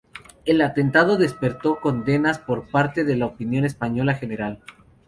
El atentado despertó condenas por parte de la opinión española general.